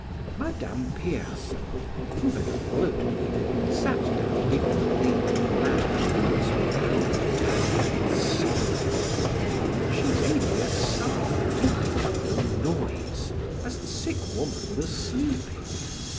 Madame Pierson, who had followed me, sat down before the old man who was bowed down with sorrow; she made me a sign to make no noise as the sick woman was sleeping.